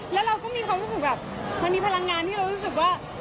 แล้วเราก็มีความรู้สึกแบบมันมีพลังงานที่เรารู้สึกว่า